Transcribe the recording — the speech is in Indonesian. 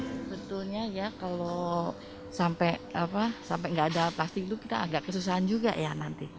sebetulnya ya kalau sampai nggak ada plastik itu kita agak kesusahan juga ya nanti